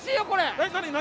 これ！